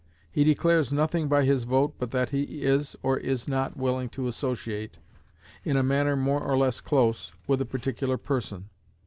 He declares nothing by his vote but that he is or is not willing to associate, in a manner more or less close, with a particular person.